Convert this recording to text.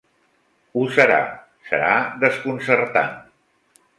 Ho serà. Serà desconcertant.